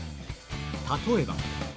例えば。